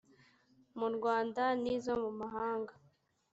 mu rwanda n izo mu mahanga